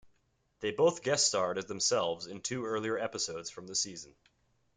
They both guest starred as themselves in two earlier episodes from the season.